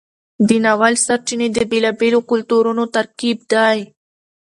د ناول سرچینې د بیلابیلو کلتورونو ترکیب دی.